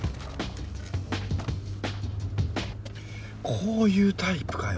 こういうタイプかよ